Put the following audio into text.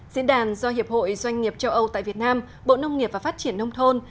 diễn đàn do hiệp hội doanh nghiệp châu âu tại việt nam bộ nông nghiệp và phát triển nông thôn